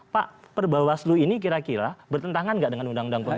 pak perbawaslu ini kira kira bertentangan nggak dengan undang undang pemilu